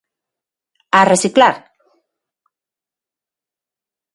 A reciclar!